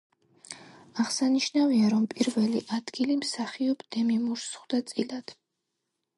აღსანიშნავია, რომ პირველი ადგილი მსახიობ დემი მურს ხვდა წილად.